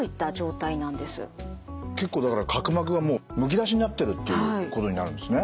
結構だから角膜がむき出しになってるっていうことになるんですね。